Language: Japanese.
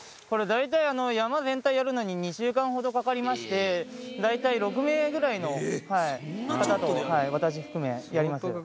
これ大体、山全体やるのに２週間ほどかかりまして、大体６名ぐらいの方と、私含め、やります。